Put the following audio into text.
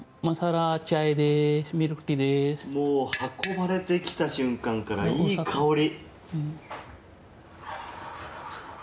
運ばれてきた瞬間からいい香り。